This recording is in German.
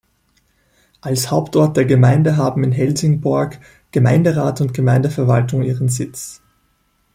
Als Hauptort der Gemeinde haben in Helsingborg Gemeinderat und Gemeindeverwaltung ihren Sitz.